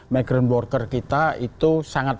background worker kita itu sangat